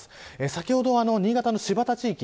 先ほど新潟の新発田地域